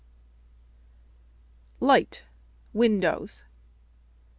LIGHT. — WINDOWS.